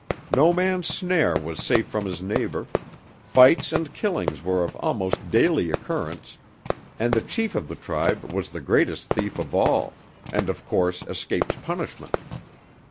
No man's snare was safe from his neighbor, fights and killings were of almost daily occurrence, and the chief of the tribe was the greatest thief of all, and of course escaped punishment.